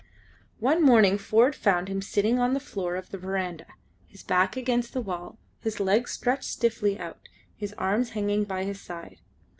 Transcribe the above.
One morning Ford found him sitting on the floor of the verandah, his back against the wall, his legs stretched stiffly out, his arms hanging by his side.